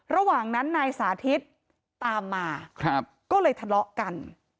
ระหว่างนั้นนายสาธิตตามมาก็เลยทะเลาะกัน